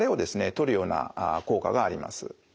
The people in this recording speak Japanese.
とるような効果があります。